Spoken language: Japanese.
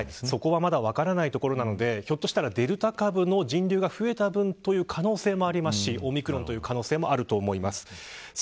そこはまだ分からないところなのでひょっとしたらデルタ株の人流が増えた分という可能性もありますしオミクロンという可能性もあると思います。